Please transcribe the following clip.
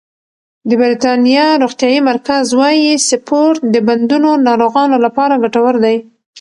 د بریتانیا روغتیايي مرکز وايي سپورت د بندونو ناروغانو لپاره ګټور دی.